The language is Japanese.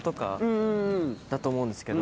だと思うんですけど。